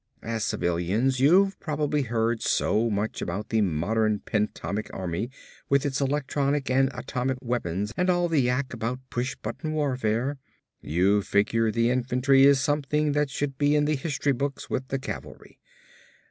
As civilians you've probably heard so much about the modern pentomic army with its electronic and atomic weapons and all the yak about pushbutton warfare, you figure the infantry is something that should be in the history books with the cavalry.